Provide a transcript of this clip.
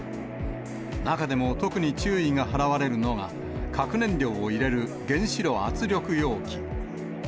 中でも、特に注意が払われるのが、核燃料を入れる原子炉圧力容器。